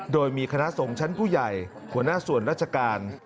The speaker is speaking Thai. โดยมีคณะสงฆ์ชั้นผู้ใหญ่หัวหน้าส่วนราชการ